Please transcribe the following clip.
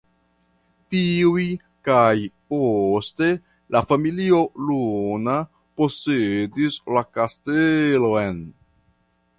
Tiuj kaj poste la familio Luna posedis la kastelon.